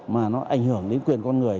mà nó ảnh hưởng đến quyền con người